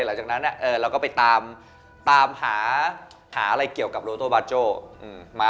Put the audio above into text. หลังจากนั้นเราก็ไปตามหาอะไรเกี่ยวกับโลโต้บาโจ้มา